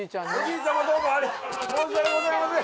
どうも申し訳ございません